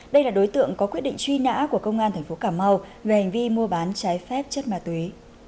đây là đối tượng có quyết định truy nã của công an tp cà mau về hành vi mua bán trái phép chất ma túy